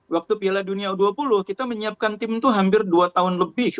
waktu piala dunia u dua puluh kita menyiapkan tim itu hampir dua tahun lebih